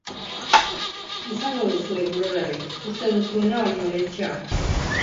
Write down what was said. Izango duzue gure berri, uste duzuena baino lehentxeago.